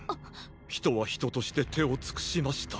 人は人として手を尽くしました。